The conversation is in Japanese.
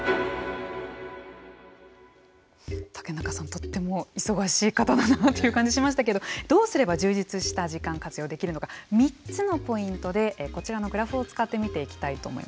とっても忙しい方だなという感じしましたけどどうすれば充実した時間活用できるのか３つのポイントでこちらのグラフを使って見ていきたいと思います。